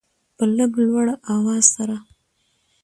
په لږ لوړ اواز سره